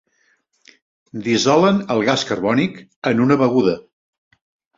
Dissolen el gas carbònic en una beguda.